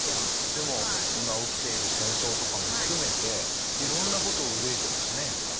でも今起きている戦争とかも含めていろんなことを憂いてますねやっぱり。